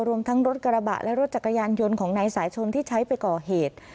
รวมทั้งรถกระบะและรถจักรยานยนต์ของนายสายชนที่ใช้ไปก่อเหตุ